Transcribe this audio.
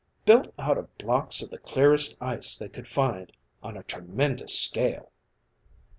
Built out of blocks of the clearest ice they could find on a tremendous scale."